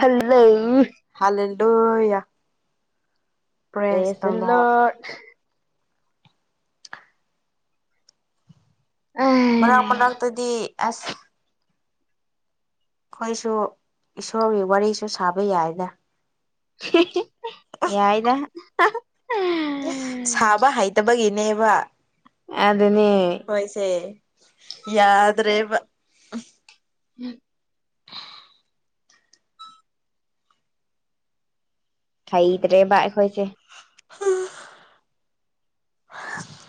ꯍꯜꯂꫭ ꯍꯂꯦ ꯂꯨ ꯌꯥ ꯄ꯭ꯔꯦꯖ ꯗ ꯂꯣꯔꯗ ꯂꯣꯔ꯭ꯗ ꯃꯔꯛ ꯃꯔꯛꯇꯗꯤ ꯑꯁ ꯑꯩꯈꯣꯏꯁꯨ ꯏꯁꯣꯔꯒꯤ ꯋꯥꯔꯤꯁꯨ ꯁꯥꯕ ꯌꯥꯏꯗ ꯌꯥꯏꯗ ꯁꯥꯕ ꯍꯩꯇꯕꯒꯤꯅꯦꯕ ꯑꯗꯨꯅꯦ ꯍꯣꯏꯁꯦ ꯌꯥꯗ꯭ꯔꯦꯕ [unintelligible] ꯍꯩꯇ꯭ꯔꯦꯕ ꯑꯩꯈꯣꯏꯁꯦ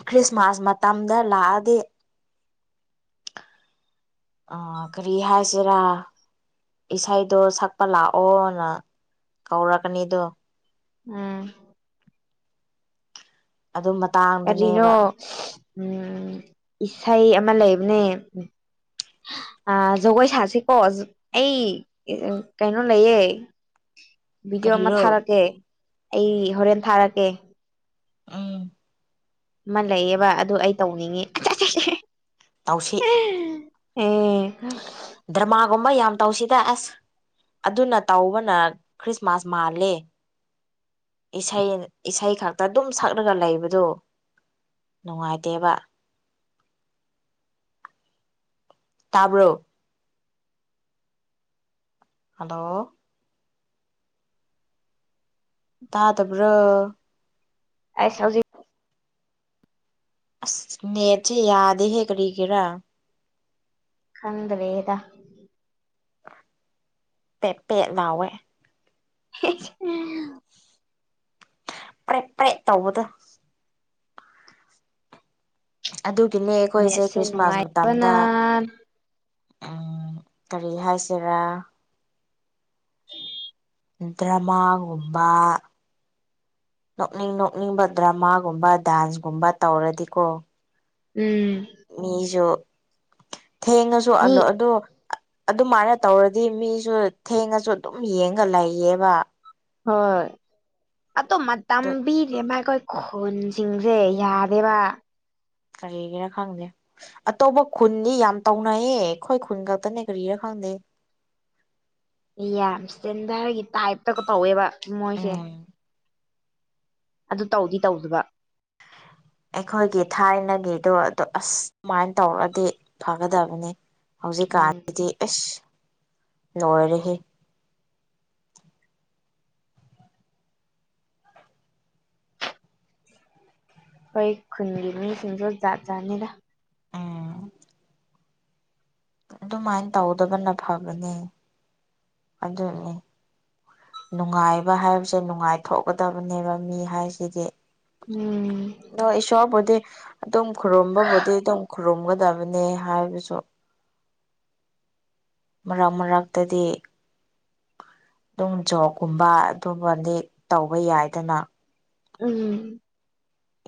ꯈ꯭ꯔꯤꯁꯃꯥꯁ ꯃꯇꯝꯗ ꯂꯥꯛꯑꯗꯤ ꯑ ꯀꯔꯤ ꯍꯥꯏꯁꯤꯔꯥ ꯏꯁꯩꯗꯣ ꯁꯛꯄ ꯂꯥꯛꯑꯣꯅ ꯀꯧꯔꯛꯒꯅꯤꯗꯣ ꯎꯝ꯫ ꯑꯗꯨ ꯃꯇꯥꯡ ꯀꯔꯤꯅꯣ ꯎꯝ ꯏꯁꯩ ꯑꯃ ꯂꯩꯕꯅꯦ ꯑꯥ ꯖꯒꯣꯏ ꯁꯥꯁꯤꯀꯣ ꯑꯩ ꯀꯩꯅꯣ ꯂꯩꯌꯦ꯫ ꯚꯤꯗꯤꯑꯣ ꯑꯃ ꯀꯔꯤꯔꯣ ꯊꯥꯔꯛꯀꯦ ꯑꯩ ꯍꯣꯔꯦꯟ ꯊꯥꯔꯛꯀꯦ ꯑꯪ ꯑꯃ ꯂꯩꯌꯦꯕ ꯑꯗꯨ ꯑꯩ ꯇꯧꯅꯤꯡꯉꯤ ꯑꯠꯆꯥ ꯆꯥ [unintelligible] ꯇꯧꯁꯤ ꯑꯦ ꯗ꯭ꯔꯥꯃꯒꯨꯝꯕ ꯌꯥꯝ ꯇꯧꯁꯤꯗ ꯑꯁ ꯑꯗꯨꯅ ꯇꯧꯕꯅ ꯈ꯭ꯔꯤꯁꯃꯥꯁ ꯃꯥꯜꯂꯦ ꯏꯁꯩ ꯏꯁꯩ ꯈꯛꯇ ꯑꯗꯨꯝ ꯁꯛꯂꯒ ꯂꯩꯕꯗꯣ ꯅꯨꯡꯉꯥꯏꯇꯦꯕ ꯇꯥꯕ꯭ꯔꯣ ꯍꯦꯜꯂꯣ ꯇꯥꯗꯕ꯭ꯔꯣ ꯑꯦꯁ ꯍꯧꯖꯤꯛ ꯑꯁ ꯅꯦꯠꯁꯦ ꯌꯥꯗꯦꯍꯦ ꯀꯔꯤꯒꯤꯔꯥ ꯈꯡꯗ꯭ꯔꯦꯗ ꯄꯦ ꯄꯦꯠ ꯂꯥꯎꯋꯦ ꯎ [inaudible] ꯄ꯭ꯔꯦꯛ ꯄ꯭ꯔꯦꯛ ꯇꯧꯕꯗꯣ ꯑꯗꯨꯒꯤꯅꯦ ꯑꯩꯈꯣꯏꯁꯦ ꯅꯦꯠꯁꯦ ꯈ꯭ꯔꯤꯁꯃꯥꯁ ꯅꯨꯡꯉꯥꯏꯕꯅ ꯃꯇꯝꯗ ꯀꯔꯤ ꯍꯥꯏꯁꯤꯔꯥ ꯗ꯭ꯔꯥꯃꯥꯒꯨꯝꯕ ꯅꯣꯛꯅꯤꯡ ꯅꯣꯛꯅꯤꯡꯕ ꯗ꯭ꯔꯃꯥꯒꯨꯝꯕ ꯗꯥꯟꯁꯒꯨꯝꯕ ꯇꯧꯔꯗꯤꯀꯣ ꯎꯝ ꯃꯤꯁꯨ ꯊꯦꯡꯉꯁꯨ ꯃꯤ ꯑꯜꯂꯨ ꯑꯗꯣ ꯑꯗꯨꯃꯥꯏꯅ ꯇꯧꯔꯗꯤ ꯃꯤꯁꯨ ꯊꯦꯡꯉꯁꯨ ꯑꯗꯨꯝ ꯌꯦꯡꯒ ꯂꯩꯌꯦꯕ ꯍꯣꯏ ꯑꯗꯣ ꯑꯗꯣ ꯃꯇꯝꯄꯤꯗꯦꯕ ꯑꯩꯈꯣꯏ ꯈꯣꯟꯁꯤꯡꯁꯦ ꯎꯝ ꯌꯥꯗꯦꯕ ꯀꯔꯤꯒꯤꯔꯥ ꯈꯪꯗꯦ ꯑꯇꯣꯞꯄ ꯈꯨꯟꯅꯤ ꯌꯥꯝ ꯇꯧꯅꯩꯌꯦ ꯑꯩꯈꯣꯏ ꯈꯨꯟ ꯈꯛꯇꯅꯦ ꯀꯔꯤꯔ ꯈꯪꯗꯦ ꯌꯥꯝ ꯁ꯭ꯇꯦꯟꯗꯠꯒꯤ ꯇꯥꯏꯞꯇꯒ ꯇꯧꯋꯦꯕ ꯃꯣꯏꯁꯦ ꯎꯝ ꯑꯗꯨ ꯇꯧꯗꯤ ꯇꯧꯗꯕ ꯑꯩꯈꯣꯏꯒꯤ ꯊꯥꯏꯅꯒꯤꯗꯣ ꯑꯁ ꯑꯗꯨꯃꯥꯏꯅ ꯇꯧꯔꯗꯤ ꯐꯒꯗꯕꯅꯤ ꯎꯝ ꯍꯧꯖꯤꯛꯀꯥꯟꯁꯤꯗꯤ ꯑꯦꯥꯁ ꯂꯣꯏꯔꯦꯍꯦ ꯑꯩꯈꯣꯏ ꯈꯨꯟꯒꯤ ꯃꯤꯁꯤꯡꯁꯨ ꯖꯥꯠ ꯖꯥꯠ ꯅꯤꯗ ꯑꯥ ꯑꯗꯨꯃꯥꯏꯅ ꯇꯧꯗꯕꯅ ꯐꯕꯅꯦ ꯑꯗꯨꯅꯦ ꯅꯨꯡꯉꯥꯏꯕ ꯍꯥꯏꯕꯁꯦ ꯅꯨꯡꯉꯥꯏꯊꯣꯛꯀꯗꯕꯅꯦꯕ ꯃꯤ ꯍꯥꯏꯁꯤꯗꯤ ꯎꯝ ꯑꯣ ꯏꯁꯣꯔꯕꯨꯗꯤ ꯑꯗꯨꯝ ꯈꯨꯔꯨꯝꯕꯕꯨꯗꯤ ꯑꯗꯨꯝ ꯈꯨꯔꯨꯝꯒꯗꯕꯅꯦ ꯍꯥꯏꯕꯁꯨ ꯃꯔꯛ ꯃꯔꯛꯇꯗꯤ ꯑꯗꯨꯝ ꯖꯣꯞꯀꯨꯝꯕ ꯑꯗꯨꯝꯕꯗꯤ ꯇꯧꯕ ꯌꯥꯏꯗꯅ ꯎꯝ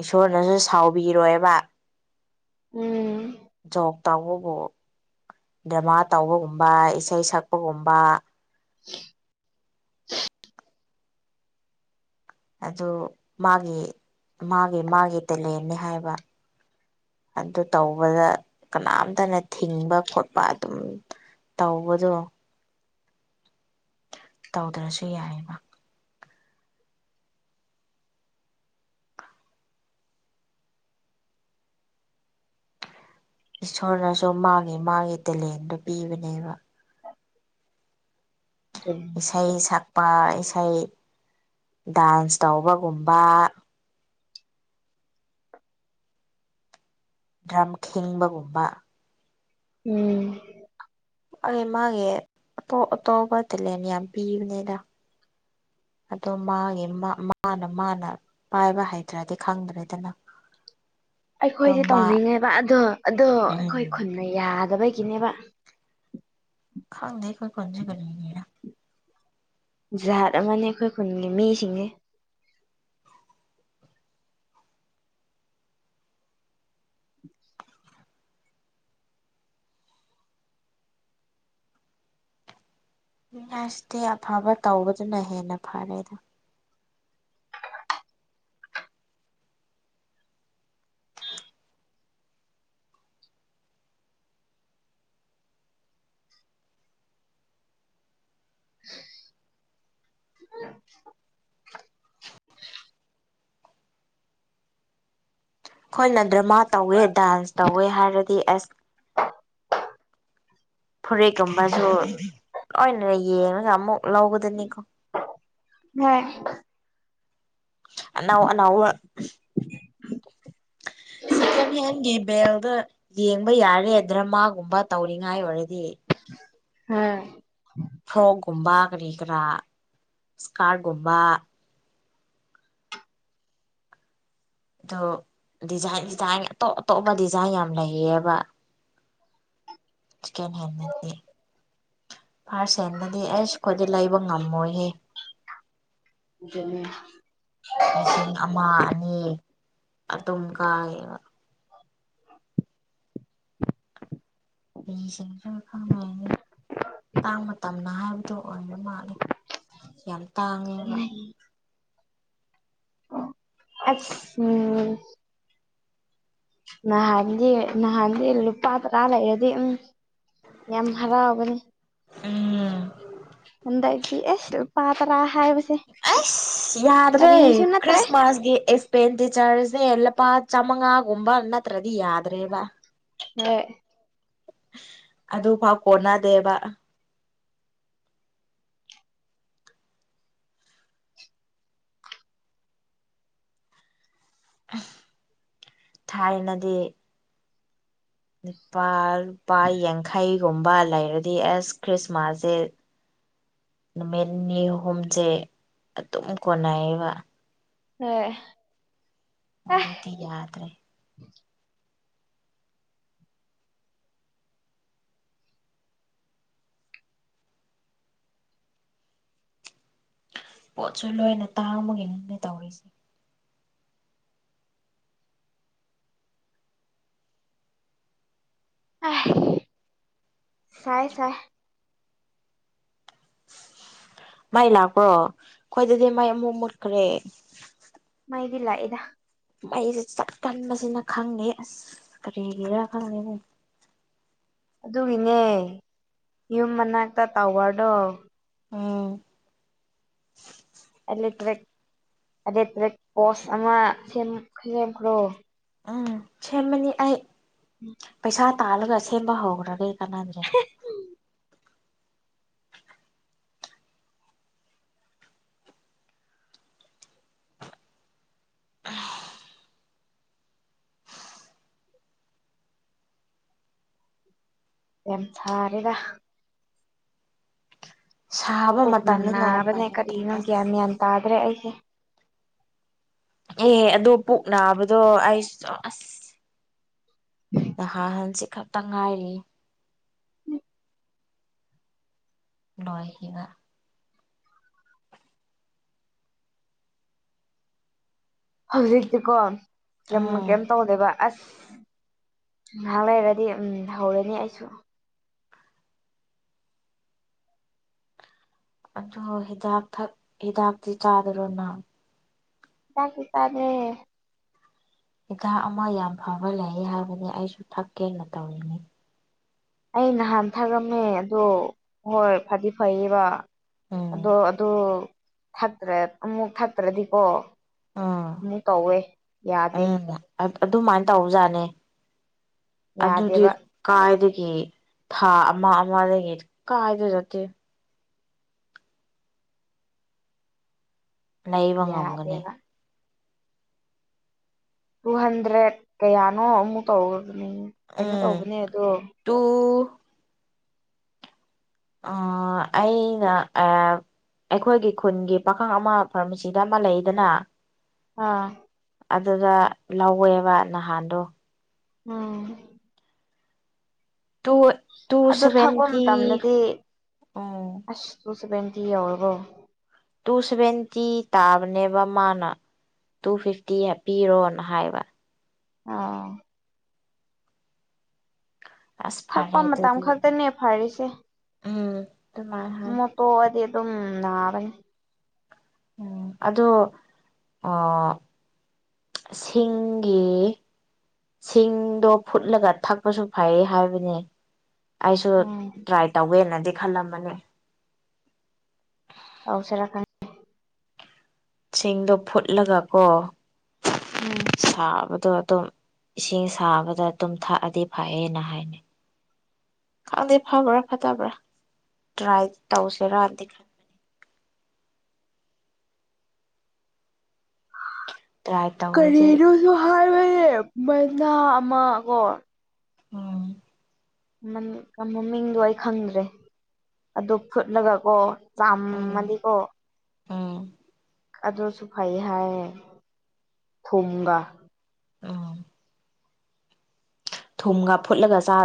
ꯏꯁꯣꯔꯅꯁꯨ ꯁꯥꯎꯕꯤꯔꯣꯏꯕ ꯎꯝ ꯖꯣꯞ ꯇꯧꯕꯕꯨ ꯗ꯭ꯔꯃꯥ ꯇꯧꯕꯒꯨꯝꯕ ꯏꯁꯩ ꯁꯛꯄꯒꯨꯝꯕ [inaudible] ꯑꯗꯨ ꯃꯥꯒꯤ ꯃꯥꯒꯤ ꯃꯥꯒꯤ ꯇꯦꯂꯦꯟꯅꯦ ꯍꯥꯏꯕ ꯑꯗꯨ ꯇꯧꯕꯗ ꯀꯅꯥꯃꯇꯅ ꯊꯤꯡꯕ ꯈꯣꯠꯄ ꯑꯗꯨꯝ ꯇꯧꯕꯗꯣ ꯇꯧꯗ꯭ꯔꯁꯨ ꯌꯥꯏ ꯑꯕ ꯏꯁꯣꯔꯅꯁꯨ ꯃꯥꯒꯤ ꯃꯥꯒꯤ ꯇꯦꯂꯦꯟꯗꯨ ꯄꯤꯕꯅꯦꯕ ꯎꯝ ꯏꯁꯩ ꯁꯛꯄ ꯏꯁꯩ ꯗꯥꯟꯁ ꯇꯧꯕꯒꯨꯝꯕ ꯗ꯭ꯔꯝ ꯈꯤꯡꯕꯒꯨꯝꯕ ꯎꯝ ꯑꯩ ꯃꯥꯒꯤ ꯑꯇꯣꯞ ꯑꯇꯣꯞꯄ ꯇꯦꯂꯦꯟ ꯌꯥꯝ ꯄꯤꯕꯅꯦꯗ ꯑꯗꯣ ꯃꯥꯒꯤ ꯃꯥ ꯃꯥꯅ ꯃꯥꯅ ꯄꯥꯏꯕ ꯍꯩꯇ꯭ꯔꯗꯤ ꯈꯪꯗ꯭ꯔꯦꯗꯅꯥ [inaudible] ꯑꯩꯈꯣꯏꯗꯤ ꯇꯧꯅꯤꯡꯉꯦꯕ ꯑꯗꯣ ꯑꯗꯣ ꯑꯩꯈꯣꯏ ꯎꯝ ꯈꯨꯟꯅ ꯌꯥꯗꯕꯒꯤꯅꯦꯕ ꯈꯪꯗ ꯑꯩꯈꯣꯏ ꯈꯨꯟꯖꯦ ꯀꯔꯤꯒꯤꯔꯥ ꯖꯥꯠ ꯑꯃꯅꯦ ꯑꯩꯈꯣꯏ ꯈꯨꯟꯒꯤ ꯃꯤꯁꯤꯡꯁꯦ [inaudible] ꯃꯤ ꯍꯥꯏꯁꯤꯗꯤ ꯑꯐꯕ ꯇꯧꯕꯗꯨꯅ ꯍꯦꯟꯅ ꯐꯔꯦꯗꯥ ꯈꯣꯏꯅ ꯗ꯭ꯔꯃꯥ ꯇꯧꯋꯦ ꯗꯥꯟꯁ ꯇꯧꯋꯦ ꯍꯥꯏꯔꯗꯤ ꯑꯦꯁ ꯐꯨꯔꯤꯠꯀꯨꯝꯕꯁꯨ ꯂꯣꯏꯅ ꯌꯦꯡꯉꯒ ꯑꯃꯨꯛ ꯂꯧꯒꯗꯅꯤꯀꯣ ꯅꯣꯏ ꯑꯅꯧ ꯑꯅꯧꯕ [inaudible] ꯁꯤꯀꯦꯜ ꯍꯦꯜꯒꯤ ꯕꯦꯟꯗ ꯌꯦꯡꯕ ꯌꯥꯔꯦ ꯗ꯭ꯔꯃꯥꯒꯨꯝꯕ ꯇꯧꯔꯤꯉꯥꯏ ꯑꯣꯏꯔꯗꯤ ꯍꯥꯥ ꯐ꯭ꯔꯣꯛꯀꯨꯝꯕ ꯀꯔꯤ ꯀꯔꯥ ꯏꯁ꯭ꯀꯥꯔ ꯒꯨꯝꯕ ꯑꯗꯣ ꯗꯤꯖꯥꯏꯟ ꯗꯤꯖꯥꯏꯟ ꯑꯇꯣꯞ ꯑꯇꯣꯞꯄ ꯗꯤꯖꯥꯏꯟ ꯌꯥꯝ ꯂꯩꯌꯦꯕ ꯁꯦꯀꯦꯟ ꯍꯦꯟ ꯅꯠꯇꯦ ꯐꯥꯔꯁ ꯍꯦꯟꯗꯗꯤ ꯑꯩꯁ ꯑꯩꯈꯣꯏꯗꯤ ꯂꯩꯕ ꯉꯝꯃꯣꯏꯍꯦ ꯑꯗꯨꯅꯤ ꯂꯤꯁꯤꯡ ꯑꯃ ꯑꯅꯤ ꯑꯗꯨꯝꯀꯥꯏꯌꯦꯕ ꯂꯤꯁꯤꯡ ꯈꯔ ꯈꯪꯉꯅꯤ ꯃꯇꯥꯡ ꯃꯇꯝꯅ ꯍꯥꯏꯕꯗꯣ ꯑꯣꯏꯅ ꯃꯥꯥꯜꯂꯦ ꯌꯥꯝ ꯇꯥꯡꯉꯦꯕ ꯑꯁ ꯎꯝ ꯅꯍꯥꯟꯗꯤ ꯅꯍꯥꯟꯗꯤ ꯂꯨꯄꯥ ꯇꯔꯥ ꯂꯩꯔꯗꯤ ꯎꯝ ꯌꯥꯝ ꯍꯔꯥꯎꯕꯅꯤ ꯎꯝ ꯍꯟꯗꯛꯇꯤ ꯑꯁ ꯄꯥꯇꯔꯥ ꯍꯥꯏꯕ ꯑꯩꯁ ꯌꯥꯗ꯭ꯔꯦ ꯅꯠꯇ꯭ꯔꯦ ꯈ꯭ꯔꯤꯁꯃꯥꯁꯒꯤ ꯑꯩ ꯄꯦꯇꯤ ꯆꯥꯔꯁꯦ ꯂꯄꯥ ꯆꯥꯝꯃꯉꯥꯒꯨꯝꯕ ꯅꯠꯇ꯭ꯔꯗꯤ ꯌꯥꯗ꯭ꯔꯦꯕ ꯍꯦ ꯑꯗꯨꯐꯥꯎ ꯀꯣꯟꯅꯗꯦꯕ ꯊꯥꯏꯅꯗꯤ ꯂꯨꯄꯥ ꯂꯨꯄꯥ ꯌꯥꯡꯈꯩꯒꯨꯝꯕ ꯂꯩꯔꯗꯤ ꯑꯦꯁ ꯈ꯭ꯔꯤꯁꯃꯥꯁꯁꯦ ꯅꯨꯃꯤꯠ ꯅꯤ ꯍꯨꯝꯁꯦ ꯑꯗꯨꯝ ꯀꯣꯟꯅꯩꯌꯦꯕ ꯍꯣꯏ ꯍꯧꯖꯤꯛꯇꯤ ꯌꯥꯗ꯭ꯔꯦ ꯄꯣꯠꯁꯨ ꯂꯣꯏꯅ ꯇꯥꯡꯕꯒꯤꯅꯤ ꯇꯧꯔꯤ ꯑꯥꯏ ꯁꯥꯏꯌꯦ ꯁꯥꯏꯌꯦ ꯃꯩ ꯂꯥꯛꯄ꯭ꯔꯣ ꯑꯩꯈꯣꯏꯗꯗꯤ ꯃꯩ ꯑꯃꯨꯛ ꯃꯨꯠꯈ꯭ꯔꯦ ꯃꯩꯗꯤ ꯂꯥꯛꯑꯦꯗ ꯃꯩꯁꯦ ꯆꯠꯀꯟꯕꯁꯤꯅ ꯈꯪꯉꯦ ꯑꯁ ꯀꯔꯤꯒꯤꯔꯥ ꯈꯪꯗꯦꯕꯨ ꯑꯗꯨꯒꯤꯅꯦ ꯌꯨꯝ ꯃꯅꯥꯛꯇ ꯇꯥꯋꯔꯗꯣ ꯑꯥꯎ ꯑꯦꯂꯦꯛꯇ꯭ꯔꯤꯛ ꯑꯦꯂꯦꯛꯇ꯭ꯔꯤꯛ ꯄꯣꯁ ꯑꯃ ꯁꯦꯝ ꯁꯦꯝꯈ꯭ꯔꯣ ꯎꯝ ꯁꯦꯝꯃꯅꯤ ꯑꯩ ꯄꯩꯁꯥ ꯇꯥꯜꯂꯒ ꯁꯦꯝꯕ ꯍꯧꯈ꯭ꯔꯒꯦ ꯑꯩ ꯀꯥꯟꯅꯗ꯭ꯔꯦ [unintelligible] ꯌꯥꯝ ꯁꯥꯔꯦꯗ ꯁꯥꯕ ꯄꯨꯛꯅ ꯃꯇꯝꯅꯤꯅ ꯎꯄꯥꯏ ꯅꯥꯕꯅꯦ ꯂꯩꯇꯦ ꯀꯔꯤꯅꯣ ꯑꯁ ꯒꯌꯥꯟ ꯃ꯭ꯌꯥꯟ ꯇꯥꯗ꯭ꯔꯦ ꯑꯩꯁꯦ ꯑꯦ ꯑꯗꯨ ꯄꯨꯛ ꯅꯥꯕꯗꯣ ꯑꯩꯁ ꯑꯁ ꯅꯍꯥꯟ ꯍꯥꯡꯆꯤꯠ ꯈꯛꯇ ꯉꯥꯏꯔꯤ ꯂꯣꯏꯈꯤꯕ ꯍꯧꯖꯤꯛꯇꯤꯀꯣ ꯀ꯭ꯌꯥꯝ ꯎꯝ ꯀꯩꯝ ꯇꯧꯗꯦꯕ ꯑꯁ ꯉꯍꯥꯛ ꯂꯩꯔꯗꯤ ꯎꯝ ꯍꯧꯔꯅꯤ ꯑꯩꯁꯨ ꯑꯗꯨ ꯍꯤꯗꯥꯛ ꯊꯛ ꯍꯤꯗꯥꯛꯇꯤ ꯆꯥꯗ꯭ꯔꯣ ꯅꯪ ꯍꯤꯗꯥꯛꯇꯤ ꯆꯥꯗ꯭ꯔꯦ ꯍꯤꯗꯥꯛ ꯑꯃ ꯌꯥꯝ ꯐꯕ ꯂꯩꯌꯦ ꯍꯥꯏꯕꯅꯦ ꯑꯩꯁꯨ ꯊꯛꯀꯦꯅ ꯇꯧꯔꯤꯅꯤ ꯑꯩ ꯅꯍꯥꯟ ꯊꯛꯔꯝꯃꯦ ꯑꯗꯣ ꯍꯣꯏ ꯐꯗꯤ ꯐꯩꯌꯦꯕ ꯎꯝ ꯑꯗꯣ ꯑꯗꯨ ꯊꯠꯇ꯭ꯔꯦ ꯑꯃꯨꯛ ꯊꯠꯇ꯭ꯔꯗꯤꯀꯣ ꯎꯝ ꯑꯃꯨꯛ ꯇꯧꯋꯦ ꯌꯥꯗꯦ [unintelligible] ꯑꯗꯨꯃꯥꯏꯅ ꯇꯧꯕꯖꯥꯠꯅꯤ ꯑꯗꯨꯗꯤ ꯌꯥꯗꯦꯕ ꯀꯥꯏꯗꯒꯤ ꯊꯥ ꯑꯃ ꯑꯃꯗꯒꯤ ꯀꯥꯏꯖꯨ ꯆꯠꯇꯦ ꯂꯩꯕ ꯉꯝꯒꯅꯤ ꯌꯥꯗꯦꯕ ꯇꯨ ꯍꯟꯗ꯭ꯔꯦꯠ ꯀꯌꯥꯅꯣ ꯑꯃꯨꯛ ꯇꯧꯒ꯭ꯔꯕꯅꯤ ꯀꯩꯅꯣ ꯎꯝ ꯇꯧꯕꯅꯦ ꯑꯗꯨ ꯇꯨ ꯑꯥ ꯑꯩꯅ [unintelligible] ꯑꯩꯈꯣꯏꯒꯤ ꯈꯨꯟꯒꯤ ꯄꯥꯈꯪ ꯑꯃ ꯐꯥꯔꯃꯥꯁꯤꯗ ꯑꯃ ꯂꯩꯗꯅ ꯑꯥ ꯑꯗꯨꯗ ꯂꯧꯋꯦꯕ ꯅꯍꯥꯟꯗꯣ ꯎꯝ ꯇꯨ ꯇꯨ ꯑꯗꯨ ꯊꯛꯄ ꯁꯚꯦꯟꯇꯤ ꯃꯇꯝꯗꯗꯤ ꯑꯣ ꯑꯁ ꯇꯨ ꯁꯚꯦꯟꯇꯤ ꯌꯧꯔꯕꯣ ꯇꯨ ꯁꯚꯦꯟꯇꯤ ꯇꯥꯕꯅꯦꯕ ꯃꯥꯅ ꯇꯨ ꯐꯤꯐꯇꯤ ꯍꯥꯞꯄꯤꯔꯣꯅ ꯍꯥꯏꯕ ꯑꯥ ꯑꯁ ꯐꯔꯦ ꯊꯛꯄ ꯃꯇꯝ ꯑꯗꯨꯗꯤ ꯈꯛꯇꯅꯦ ꯐꯔꯤꯁꯦ ꯎꯝ ꯇꯨꯃꯥꯏ ꯍꯥꯏ ꯑꯃꯨꯛ ꯇꯣꯛꯑꯗꯤ ꯑꯗꯨꯝ ꯅꯥꯕꯅꯤ ꯎꯝ ꯑꯗꯣ ꯑꯥ ꯁꯤꯡꯒꯤ ꯁꯤꯡꯗꯣ ꯐꯨꯠꯂꯒ ꯊꯛꯄꯁꯨ ꯐꯩ ꯍꯥꯏꯕꯅꯦ ꯑꯩꯁꯨ ꯎꯝ ꯇ꯭ꯔꯥꯏ ꯇꯧꯒꯦꯅꯗꯤ ꯈꯜꯂꯝꯕꯅꯤ ꯇꯧꯁꯤꯔꯥ ꯈꯪ ꯁꯤꯡꯗꯣ ꯐꯨꯠꯂꯒ ꯀꯣ ꯎꯝ ꯁꯥꯕꯗꯣ ꯑꯗꯨꯝ ꯏꯁꯤꯡ ꯁꯥꯕꯗ ꯑꯗꯨꯝ ꯊꯛꯑꯗꯤ ꯐꯩꯌꯦꯅ ꯍꯥꯏꯅꯩ ꯈꯪꯗꯦ ꯐꯕ꯭ꯔꯥ ꯐꯠꯇꯕ꯭ꯔꯥ ꯇ꯭ꯔꯥꯏ ꯇꯧꯁꯤꯔꯗꯤ ꯈꯟꯕꯅꯤ ꯇ꯭ꯔꯥꯏ ꯇꯧꯔꯗꯤ ꯀꯔꯤꯅꯣꯁꯨ ꯍꯥꯏꯋꯅꯦ ꯃꯅꯥ ꯑꯃ ꯀꯣ ꯎꯝ ꯃꯝ ꯃꯃꯤꯡꯗꯣ ꯑꯩ ꯈꯪꯗ꯭ꯔꯦ ꯑꯗꯨ ꯐꯨꯠꯂꯒ ꯀꯣ ꯎꯝ ꯆꯥꯝꯃꯗꯤꯀꯣ ꯎꯝ ꯑꯗꯨꯁꯨ ꯐꯩꯌꯦ ꯍꯥꯏꯌꯦ ꯊꯨꯝꯒ ꯎꯝ ꯊꯨꯝꯒ ꯐꯨꯠꯂꯒ ꯆꯥ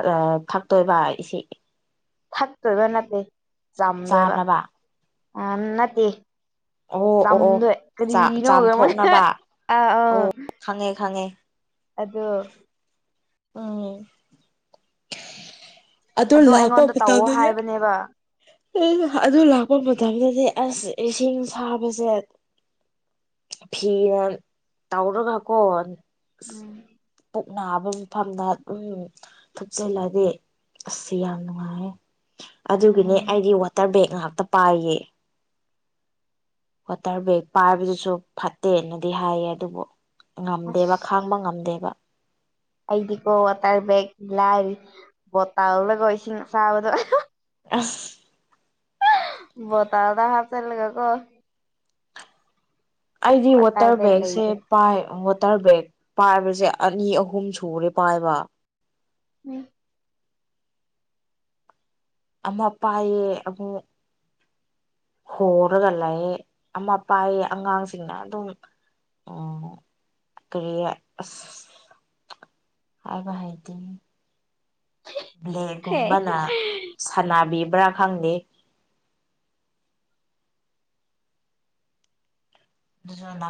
ꯊꯥꯛꯇꯣꯏꯕ ꯏꯁꯤ, ꯊꯛꯇꯣꯏꯕ ꯅꯠꯇꯦ ꯆꯝꯗꯣꯏꯕ ꯆꯥꯅꯕ ꯎꯝ ꯅꯠꯇꯦ ꯑꯣ ꯑꯣ ꯑꯣ ꯆꯝꯗꯣꯏ ꯀꯔꯤꯅꯣ ꯃꯣꯏ ꯆꯥꯝꯊꯣꯛꯅꯕ ꯑꯣ ꯈꯪꯉꯦ ꯈꯪꯉꯦ ꯑꯗꯣ ꯎꯝ ꯑꯗꯣ ꯂꯥꯛꯄ ꯑꯩꯉꯣꯟꯗ ꯇꯧꯋꯣ ꯃꯇꯝꯗꯗꯤ ꯍꯥꯏꯕꯅꯦꯕ ꯎ ꯑꯗꯨ ꯂꯥꯛꯄ ꯃꯇꯝꯗꯗꯤ ꯑꯁ ꯏꯁꯤꯡ ꯁꯥꯕꯁꯦ ꯐꯤꯅ ꯇꯧꯔꯒ ꯀꯣꯟ ꯎꯝ ꯄꯨꯛ ꯅꯥꯕ ꯃꯐꯝꯗ ꯎꯝ ꯊꯨꯞꯆꯤꯜꯂꯗꯤ ꯑꯁ ꯌꯥꯝ ꯅꯨꯡꯉꯥꯏꯌꯦ ꯑꯗꯨꯒꯤꯅꯦ ꯎꯝ ꯑꯩꯗꯤ ꯋꯥꯇꯔ ꯕꯦꯒ ꯉꯥꯛꯇ ꯄꯥꯏꯌꯦ ꯋꯥꯇꯔ ꯕꯦꯒ ꯄꯥꯏꯕꯗꯨꯁꯨ ꯐꯠꯇꯦꯅꯗꯤ ꯍꯥꯏꯌꯦ ꯑꯗꯨꯕꯨ ꯑꯁ ꯉꯝꯗꯦꯕ ꯈꯥꯡꯕ ꯉꯝꯗꯦꯕ ꯑꯩꯗꯤꯀꯣ ꯋꯥꯇꯔ ꯕꯦꯒ ꯂꯥꯏꯔꯤ ꯕꯣꯇꯥꯜꯒꯀꯣ ꯏꯁꯤꯡ ꯑꯁꯥꯕꯗꯣ ꯑꯁ ꯕꯣꯇꯥꯜꯗ ꯍꯥꯞ ꯆꯜꯂꯒ ꯀꯣ ꯑꯩꯗꯤ ꯋꯥꯇꯔ ꯕꯦꯒ ꯕꯦꯒꯁꯦ ꯂꯩꯗꯣ ꯄꯥꯏ ꯋꯥꯇꯔ ꯕꯦꯒ ꯄꯥꯏꯕꯁꯦ ꯑꯅꯤ ꯑꯍꯨꯝ ꯁꯨꯔꯦ ꯄꯥꯏꯕ ꯎꯝ ꯑꯃ ꯄꯥꯏꯌꯦ ꯑꯃꯨꯛ ꯍꯣꯔꯒ ꯂꯩ ꯑꯃ ꯄꯥꯏꯌꯦ ꯑꯉꯥꯡꯁꯤꯡꯅ ꯑꯗꯨꯝ ꯎꯝ [unintelligible] ꯑꯁ ꯍꯥꯏꯕ ꯍꯩꯇꯤꯅꯤ ꯕ꯭ꯂꯦ ꯍꯦ ꯒꯨꯝꯕꯅ ꯁꯥꯟꯅꯕꯤꯕ꯭ꯔꯥ ꯈꯪꯗꯦ [unintelligible]